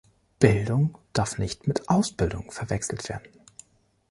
Bildung darf nicht mit Ausbildung verwechselt werden.